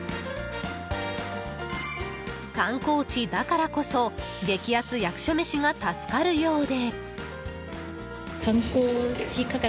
観光地だからこそ激安役所メシが助かるようで。